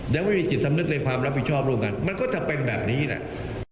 ยังไม่มีจิตสำนึกในความรับผิดชอบร่วมกันมันก็จะเป็นแบบนี้แหละ